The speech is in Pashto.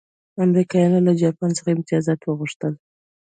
امریکایانو له جاپان څخه امتیازات وغوښتل.